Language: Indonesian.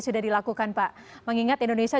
sudah dilakukan pak mengingat indonesia